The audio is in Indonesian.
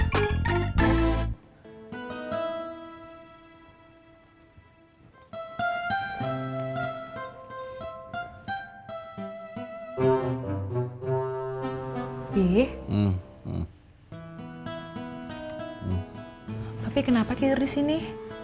tapi kenapa tidur disini